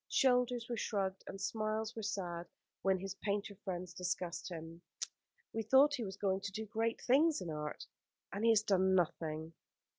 Shoulders were shrugged, and smiles were sad, when his painter friends discussed him. "We thought he was going to do great things in art, and he has done nothing."